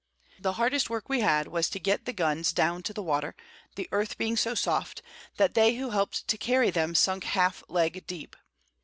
The hardest Work we had was to get the Guns down to the Water, the Earth being so soft, that they who help'd to carry them sunk half Leg deep.